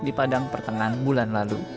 di padang pertengahan bulan lalu